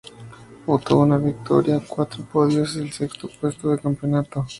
Obtuvo una victoria, cuatro podios, y el sexto puesto de campeonato.